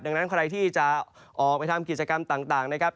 ดังนั้นใครที่จะออกไปทำกิจกรรมต่างทั้งบนบกทางอากาศ